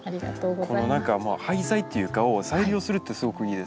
この廃材っていうか再利用するってすごくいいですよね。